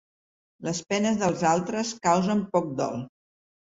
Les penes dels altres causen poc dol.